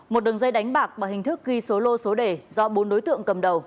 một đường dây đánh bạc bằng hình thức ghi số lô số đề do bốn đối tượng cầm đầu